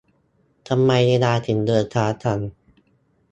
ทำไมเวลาถึงเดินช้าจัง